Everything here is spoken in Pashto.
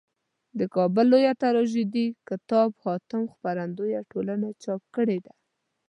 دکابل لویه تراژیدي کتاب حاتم خپرندویه ټولني چاپ کړیده.